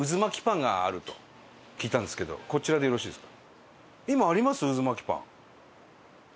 こちらでよろしいですか？